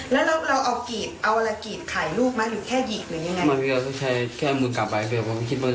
ว่าทำไมตอนแรกไม่รับสัญพาภาพหรือเปล่า